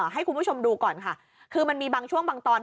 ให้คุณผู้ชมดูก่อนค่ะคือมันมีบางช่วงบางตอน